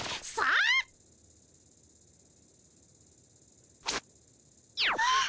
あっ。